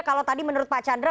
kalau tadi menurut pak chandra